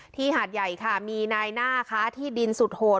หาดใหญ่ค่ะมีนายหน้าค้าที่ดินสุดโหด